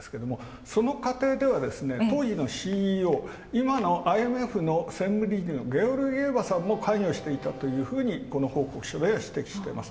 その過程では当時のＣＥＯ、今のＩＭＦの専務理事のゲオルギエバさんも関与してたこの報告書では指摘しています。